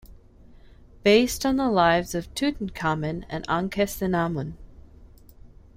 Based on the lives of Tutankhamun and Ankhesenamun.